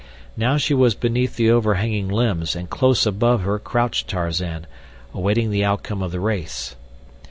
Now she was beneath the overhanging limbs and close above her crouched Tarzan, waiting the outcome of the race.